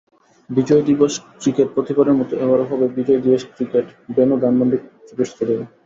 বিজয় দিবস ক্রিকেটপ্রতিবারের মতো এবারও হবে Bijoy Dibosh cricket, venue Dhanmondi cricket stadium.